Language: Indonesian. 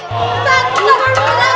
tidak tidak tidak